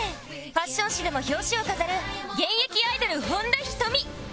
ファッション誌でも表紙を飾る現役アイドル本田仁美